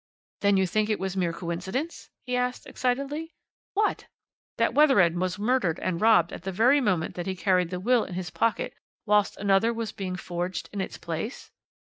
"Then you think it was mere coincidence?" he asked excitedly. "What?" "That Wethered was murdered and robbed at the very moment that he carried the will in his pocket, whilst another was being forged in its place?"